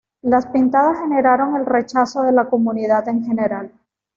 Las pintadas generaron el rechazo de la comunidad en general.